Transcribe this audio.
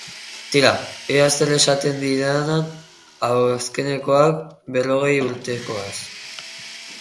Tira, ea zer esaten didanan azkenekoaz, berrogei urtekoaz.